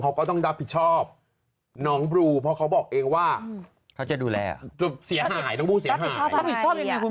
เขาจะดูแลเหรอต้องพูดเสียหายถ้าผิดชอบยังไงคุณพูดไม่รู้